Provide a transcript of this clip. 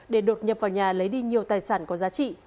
để đột nhập vào nhà lấy đi nhiều tài sản có giá trị